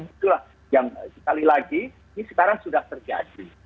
itulah yang sekali lagi ini sekarang sudah terjadi